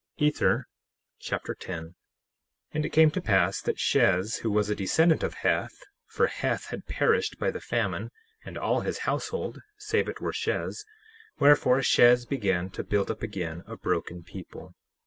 Ether Chapter 10 10:1 And it came to pass that Shez, who was a descendant of Heth—for Heth had perished by the famine, and all his household save it were Shez—wherefore, Shez began to build up again a broken people.